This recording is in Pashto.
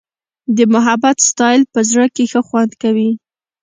د محبت ساتل په زړه کي ښه خوند کوي.